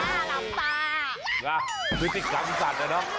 ครับพี่ติดการมีความยังงแททย์แต่เนาะ